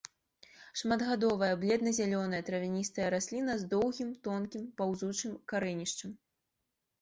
Шматгадовая бледна-зялёная травяністая расліна з доўгім тонкім паўзучым карэнішчам.